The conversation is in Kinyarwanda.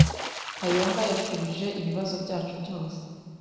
Kayonga yashubije ibibazo byacu byose.